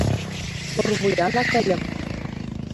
— Орвуянак ыльым.